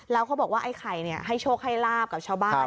แล้วเขาบอกว่าไอ้ไข่ให้โชคให้ลาบกับชาวบ้าน